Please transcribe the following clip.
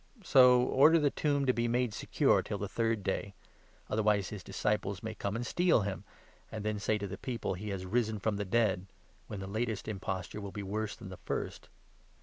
So order the tomb to be 64 made secure till the third day. Otherwise his disciples may come and steal him, and then say to the people ' He lias risen from the dead,' when the latest imposture will be worse than the first."